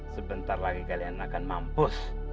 sebentar lagi kalian akan mampu